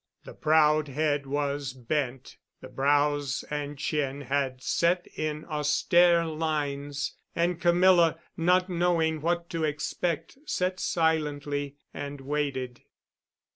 The proud head was bent, the brows and chin had set in austere lines, and Camilla, not knowing what to expect, sat silently and waited.